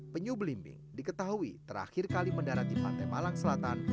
penyu belimbing diketahui terakhir kali mendarat di pantai malang selatan